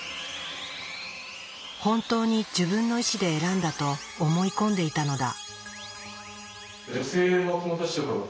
本当に自分の意志で選んだと思い込んでいたのだ。